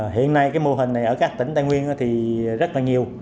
hiện nay cái mô hình này ở các tỉnh tây nguyên thì rất là nhiều